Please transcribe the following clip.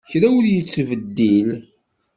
Kra ur yettbeddil.